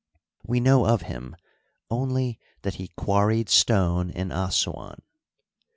We know of him only that he quarried stone in Assuan.